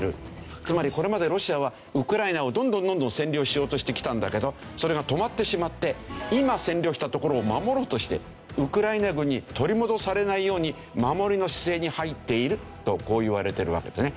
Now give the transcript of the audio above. つまりこれまでロシアはウクライナをどんどんどんどん占領しようとしてきたんだけどそれが止まってしまって今占領した所を守ろうとしてウクライナ軍に取り戻されないように守りの姿勢に入っているとこう言われてるわけですね。